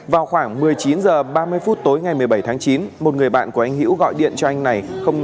vào khoảng một mươi chín h ba mươi phút tối ngày một mươi bảy tháng chín một người bạn của anh hiễu gọi điện cho anh này